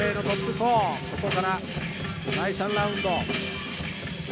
４ここから第３ラウンド。